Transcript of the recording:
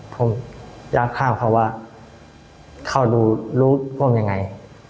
ผมอยากถามเขาว่าเขารู้ร่วมยังไง